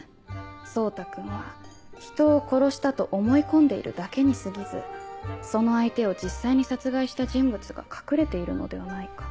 蒼汰君は人を殺したと思い込んでいるだけに過ぎずその相手を実際に殺害した人物が隠れているのではないか。